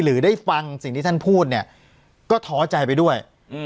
หรือได้ฟังสิ่งที่ท่านพูดเนี่ยก็ท้อใจไปด้วย